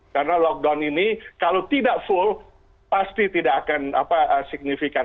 karena lockdown ini kalau tidak full pasti tidak akan signifikan